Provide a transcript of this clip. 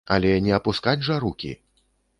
Але не апускаць жа рукі.